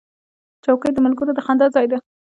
چوکۍ د ملګرو د خندا ځای دی.